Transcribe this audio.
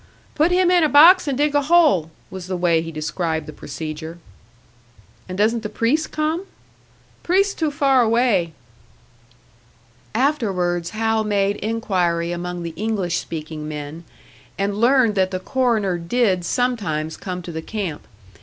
"Put him in a box and dig a hole," was the way he described the procedure. "And doesn't the priest come?" "Priest too far away." Afterwards Hal made inquiry among the English speaking men, and learned that the coroner did sometimes come to the camp.